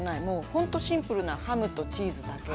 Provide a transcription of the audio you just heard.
本当にシンプルなハムとチーズだけ。